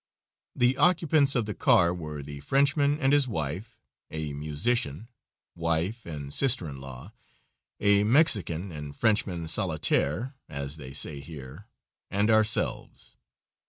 The occupants of the car were the Frenchman and his wife, a musician, wife and sister in law, a Mexican and Frenchman solitaire, as they say here, and ourselves.